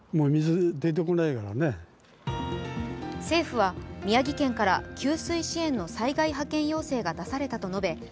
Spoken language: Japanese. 政府は宮城県から給水支援の災害派遣が出されたと述べ